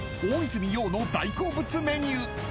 ［大泉洋の大好物メニュー］